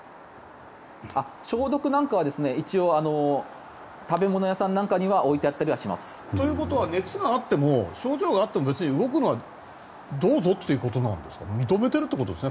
消毒なんかは一応、食べ物屋さんなんかにはということは熱があっても症状があっても、別に動くのはどうぞということなんですか認めているってことですね